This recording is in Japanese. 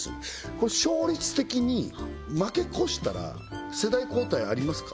これ勝率的に負け越したら世代交代ありますか？